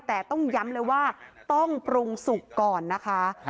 แต่ต้องย้ำเลยว่าต้องปรุงสุกก่อนนะคะ